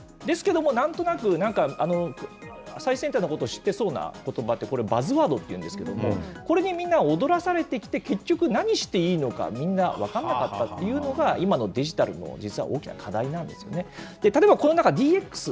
ですけれども、なんとなく、なんか、最先端のことを知ってそうなことばって、これ、バズワードっていうんですけど、これにみんな踊らされてきて、結局、何していいのか、みんな、分からなかったっていうのが、今のデジタルの実は大きな課題なんですね。